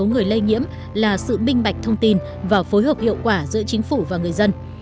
một số người lây nhiễm là sự minh bạch thông tin và phối hợp hiệu quả giữa chính phủ và người dân